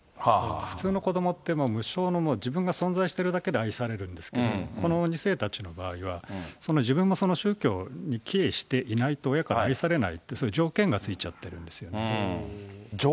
普通の子どもって、無償の、自分が存在しているだけで愛されるんですけれども、この２世たちの場合は、自分もその宗教に帰依していないと、親から愛されないっていう条件が付いちゃってるんですよ。